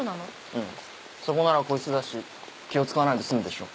うんそこなら個室だし気を使わないで済むでしょ。